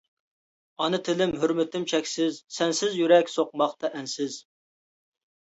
ئانا تىلىم-ھۆرمىتىم چەكسىز، سەنسىز يۈرەك سوقماقتا ئەنسىز.